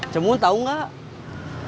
cemun tau gak